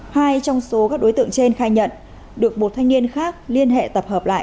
hai trong số các đối tượng trên khai nhận được một thanh niên khác liên hệ tập hợp lại